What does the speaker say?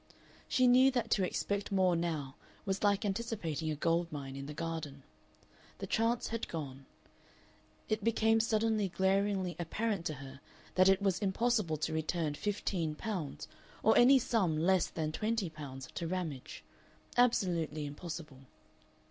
She knew that to expect more now was like anticipating a gold mine in the garden. The chance had gone. It became suddenly glaringly apparent to her that it was impossible to return fifteen pounds or any sum less than twenty pounds to Ramage absolutely impossible.